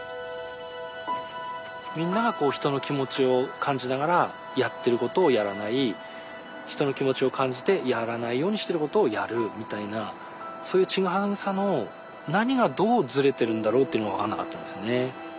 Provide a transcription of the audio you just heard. みんなが人の気持ちを感じながらやってることをやらない人の気持ちを感じてやらないようにしていることをやるみたいなそういうチグハグさの何がどうずれてるんだろうっていうのが分からなかったんですよね。